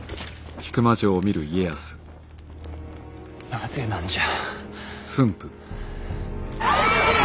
なぜなんじゃ。